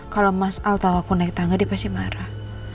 kalau mas altawa aku naik tangga dia pasti marah